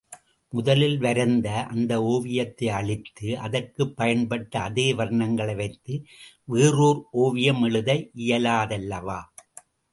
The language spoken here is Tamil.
முதலில் வரைந்த அந்த ஒவியத்தை அழித்து, அதற்குப் பயன்பட்ட அதே வர்ணங்களை வைத்து வேறோர் ஒவியம் எழுத இயலாதல்லவா?